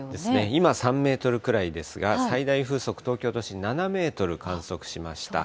今３メートルぐらいですが、最大風速、東京都心７メートル観測しました。